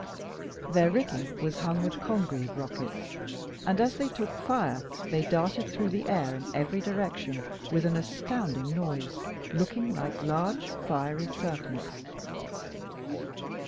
Their rigging was hung with Congreve rockets; and as they took fire, they darted through the air in every direction with an astounding noise, looking like large fiery serpents.